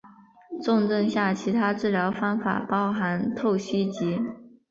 重症下其他治疗方法包含透析及。